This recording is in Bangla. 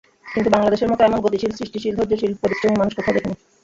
কিন্তু বাংলাদেশের মতো এমন গতিশীল, সৃষ্টিশীল, ধৈর্যশীল, পরিশ্রমী মানুষ কোথাও দেখিনি।